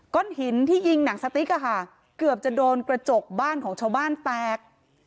หินที่ยิงหนังสติ๊กอะค่ะเกือบจะโดนกระจกบ้านของชาวบ้านแตก